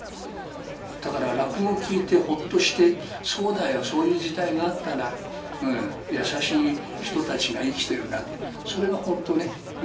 だから、落語を聞いてほっとして、そうだよ、そういう時代があったな、優しい人たちが生きてるなって、それが本当ね。